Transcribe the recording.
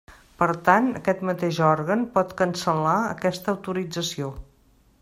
Per tant, aquest mateix òrgan pot cancel·lar aquesta autorització.